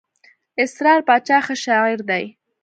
اسرار باچا ښه شاعر دئ.